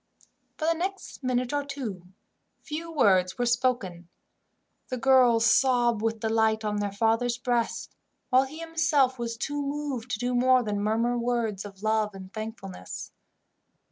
For the next minute or two, few words were spoken. The girls sobbed with delight on their father's breast, while he himself was too moved to do more than murmur words of love and thankfulness.